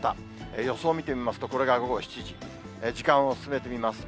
予想を見てみますと、これが午後７時、時間を進めてみます。